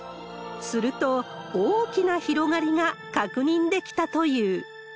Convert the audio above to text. すると、大きな広がりが確認できたという。